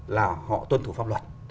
là họ tuân thủ pháp luật